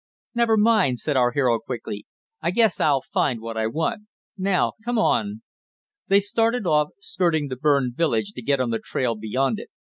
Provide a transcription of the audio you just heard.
"Never mind," said our hero quickly. "I guess I'll find what I want. Now come on." They started off, skirting the burned village to get on the trail beyond it.